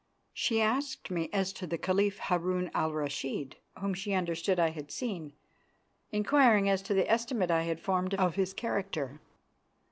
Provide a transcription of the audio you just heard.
She asked me as to the Caliph Harun al Rashid, whom she understood I had seen, inquiring as to the estimate I had formed of his character.